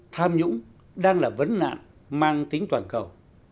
tham nhũng đang là vấn nạn mang tính toàn cầu